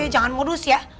jangan modus ya